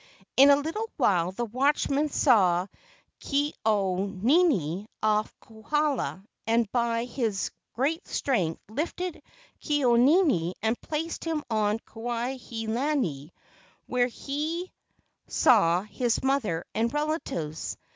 In a little while the watchman saw Ke au nini off Kohala, and by his great strength lifted Ke au nini and placed him on Kuai he lani, where he saw his mother and relatives.